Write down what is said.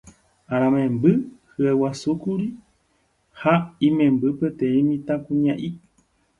Aramemby hyeguasúkuri ha imemby peteĩ mitãkuña'i